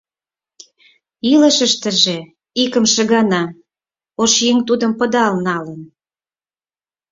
Илышыштыже икымше гана ош еҥ тудым пыдал налын!..